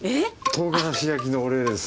唐辛子焼きのお礼です。